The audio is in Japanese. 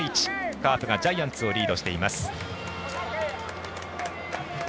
カープがジャイアンツをリードしています。